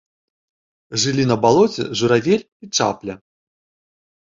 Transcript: Жылі на балоце журавель і чапля.